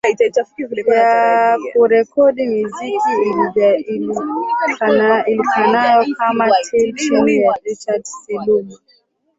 Ya kurekodi miziki ijulikanayao kama Teal chini ya Richard Siluma